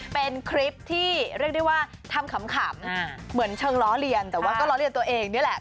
เป็นคลิปที่เรียกได้ว่าทำขำเหมือนเชิงล้อเลียนแต่ว่าก็ล้อเลียนตัวเองนี่แหละ